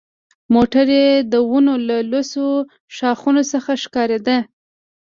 موټر یې د ونو له لوڅو ښاخونو څخه ښکارېده.